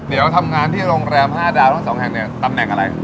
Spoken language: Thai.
เดี๋ยวทำงานที่โรงแรม๕ดาวทั้งสองแห่งเนี่ยตำแหน่งอะไร